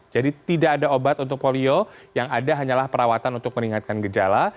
jadi tidak ada obat untuk polio yang ada hanyalah perawatan untuk meningkatkan gejala